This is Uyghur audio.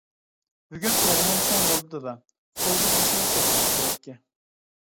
بۈگۈن ئوغلۇڭ چوڭ بولدى دادا، تولدى جىسمى چەكسىز قۇدرەتكە.